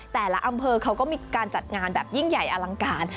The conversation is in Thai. แต่ละอำเภอเขาก็มีการจัดงานแบบยิ่งใหญ่อลังการ